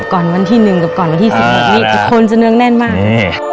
ก่อนวันที่หนึ่งกับก่อนวันที่๑๖นี้คนจะเนืองแน่นมากอืม